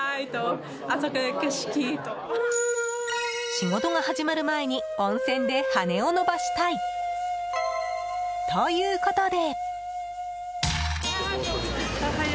仕事が始まる前に温泉で羽を伸ばしたい。ということで。